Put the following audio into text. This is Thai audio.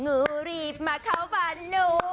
หนูรีบมาเข้าฝันหนู